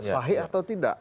sahih atau tidak